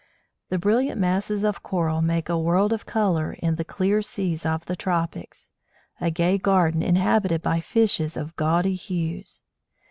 The brilliant masses of Coral make a world of colour in the clear seas of the tropics, a gay garden inhabited by fishes of gaudy hues.